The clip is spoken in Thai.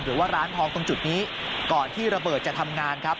หรือว่าร้านทองตรงจุดนี้ก่อนที่ระเบิดจะทำงานครับ